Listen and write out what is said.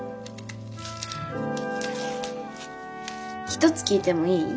一つ聞いてもいい？